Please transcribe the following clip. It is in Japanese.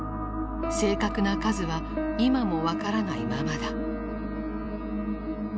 正確な数は今も分からないままだ。